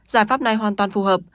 giải pháp này hoàn toàn phù hợp